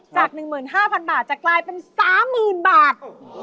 จาก๑๕๐๐๐บาทจะกลายเป็น๓๐๐๐บาท